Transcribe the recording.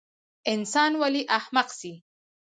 انسان ولۍ احمق سي؟